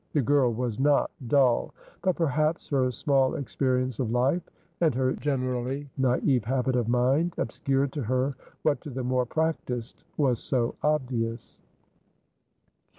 The girl was not dull, but perhaps her small experience of life, and her generally naive habit of mind, obscured to her what to the more practised was so obvious.